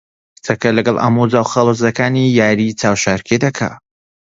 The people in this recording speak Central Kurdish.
کچەکە لەگەڵ ئامۆزا و خاڵۆزاکانی یاریی چاوشارکێ دەکا.